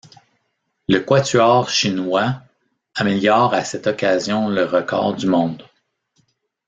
Le quatuor chinois améliore à cette occasion le record du monde.